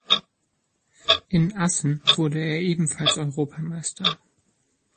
In Assen wurde er ebenfalls Europameister.